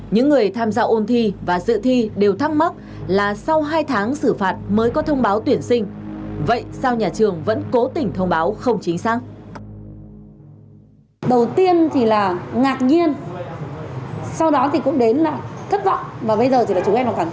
những người tham gia ôn thi và dự thi đều thắc mắc là sau hai tháng xử phạt mới có thông báo tuyển sinh vậy sao nhà trường vẫn cố tình thông báo không chính xác